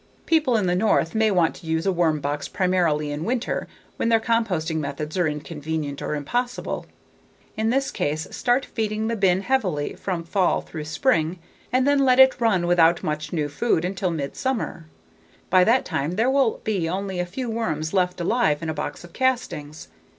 People in the North may want to use a worm box primarily in winter when other composting methods are inconvenient or impossible. In this case, start feeding the bin heavily from fall through spring and then let it run without much new food until mid summer. By that time there will be only a few worms left alive in a box of castings.